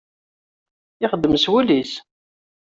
Ixeddem seg wul-is.